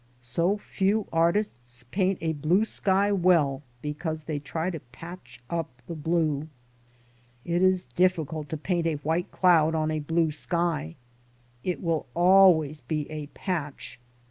So few artists paint a blue sky well because they try to patch up the blue. It is difficult to paint a white cloud on a blue sky. It will always be a patch.